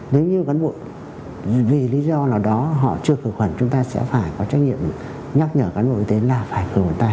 nếu như cán bộ vì lý do nào đó họ chưa khử quần chúng ta sẽ phải có trách nhiệm nhắc nhở cán bộ y tế là phải khử quần tay